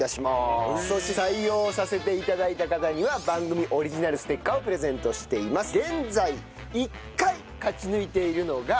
そして採用させて頂いた方には番組オリジナルステッカーをプレゼントしています。